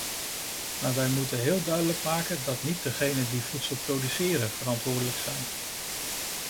Maar wij moeten heel duidelijk maken dat niet degenen die voedsel produceren verantwoordelijk zijn.